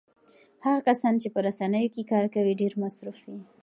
هغه کسان چې په رسنیو کې کار کوي ډېر مصروف وي.